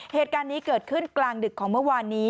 เหตุการณ์นี้เกิดขึ้นกลางดึกของเมื่อวานนี้